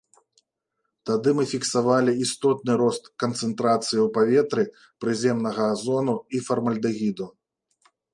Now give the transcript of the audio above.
Тады мы фіксавалі істотны рост канцэнтрацыі ў паветры прыземнага азону і фармальдэгіду.